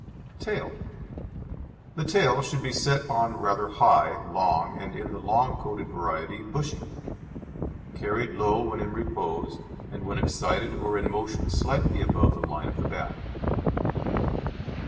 TAIL The tail should be set on rather high, long, and in the long coated variety bushy; carried low when in repose, and when excited or in motion slightly above the line of the back.